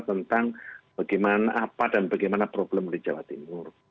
tentang bagaimana apa dan bagaimana problem di jawa timur